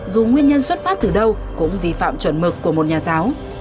dù nguyên nhân xuất phát từ đâu cũng vi phạm chuẩn mực của một nhà giáo